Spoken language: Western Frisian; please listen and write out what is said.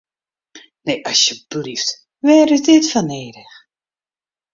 Nee, asjeblyft, wêr is dit foar nedich?